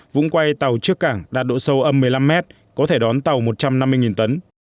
vũng quay tàu trước cảng đạt độ sâu âm một mươi năm mét có thể đón tàu một trăm năm mươi tấn